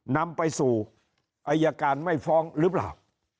นำไปสู่อายการไม่ฟ้องหรือเปล่า